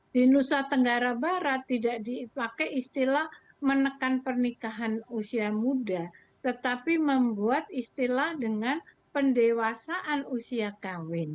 di nusa tenggara barat tidak dipakai istilah menekan pernikahan usia muda tetapi membuat istilah dengan pendewasaan usia kawin